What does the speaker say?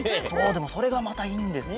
でもそれがまたいいんですよ。